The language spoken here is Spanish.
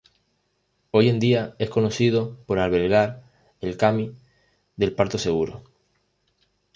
Hoy en día, es conocido por albergar el Kami del parto seguro.